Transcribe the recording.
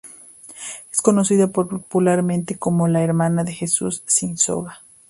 Es conocida popularmente como la Hermandad de Jesús sin Soga.